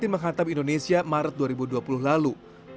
menghantam indonesia maret dua ribu dua puluh lalu